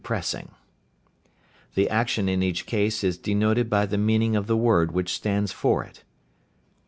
Pressing. The action in each case is denoted by the meaning of the word which stands for it.